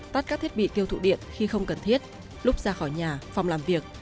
tắt các thiết bị tiêu thụ điện khi không cần thiết lúc ra khỏi nhà phòng làm việc